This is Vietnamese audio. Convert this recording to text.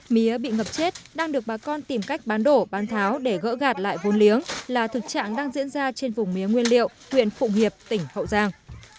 mía bị ngập chết đang được bà con tìm cách bán đổ bán tháo để gỡ gạt lại vốn liếng là thực trạng đang diễn ra trên vùng mía nguyên liệu huyện phụng hiệp tỉnh hậu giang